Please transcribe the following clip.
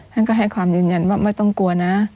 ท่านก็ให้ความยืนยันว่าไม่ต้องกลัวนะ